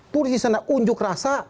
tuh disana unjuk rasa